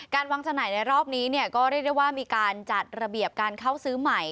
การวางจำหน่ายในรอบนี้ก็เรียกได้ว่ามีการจัดระเบียบการเข้าซื้อใหม่